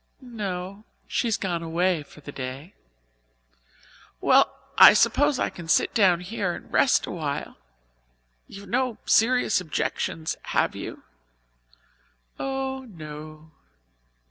"No. She has gone away for the day." "Well, I suppose I can sit down here and rest a while. You've no serious objections, have you?" "Oh, no."